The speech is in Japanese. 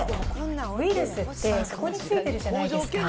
ウイルスって底に付いてるじゃないですか。